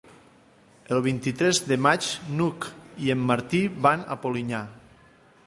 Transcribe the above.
El vint-i-tres de maig n'Hug i en Martí van a Polinyà.